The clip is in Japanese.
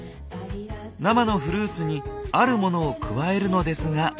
生のフルーツにあるものを加えるのですが。